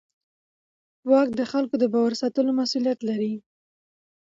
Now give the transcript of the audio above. واک د خلکو د باور ساتلو مسوولیت لري.